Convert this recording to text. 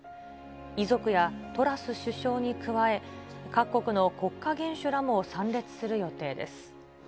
遺族やトラス首相に加え、各国の国家元首らも参列する予定です。